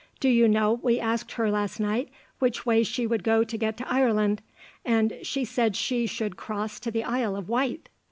Do you know we asked her last night which way she would go to get to Ireland, and she said she should cross to the Isle of Wight.